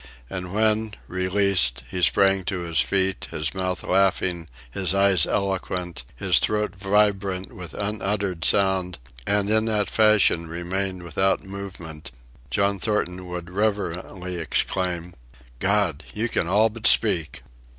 And when, released, he sprang to his feet, his mouth laughing, his eyes eloquent, his throat vibrant with unuttered sound, and in that fashion remained without movement, John Thornton would reverently exclaim, "God! you can all but speak!"